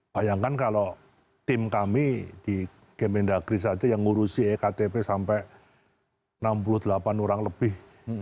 bayangkan kalau tim kami di kementerian negeri saja yang ngurusi ektp sampai enam puluh delapan orang lebih